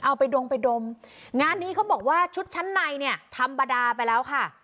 เอาไปดมไปดมงานนี้เขาบอกว่าชุดชั้นในเนี่ยธรรมดาไปแล้วค่ะ